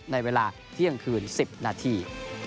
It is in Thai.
ในเวลาเที่ยงคืน๑๐นาที